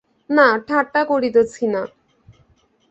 না, ঠাট্টা করিতেছি না।